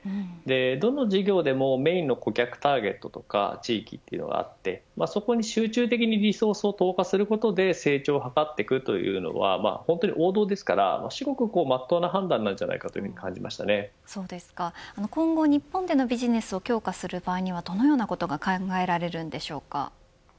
どの事業でもメインの顧客ターゲットや地域があってそこに集中的にリソースを投下することで成長を図っていくというのは本当に王道ですから至極まっとうな判断だと今後、日本でのビジネスを強化する場合にはどのようなことが考えられるんでしょうか。